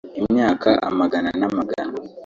Imyaka amagana n’amagna